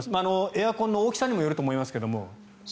エアコンの大きさにもよると思いますけども。